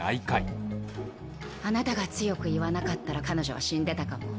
あなたが強く言わなかったら彼女は死んでたかも。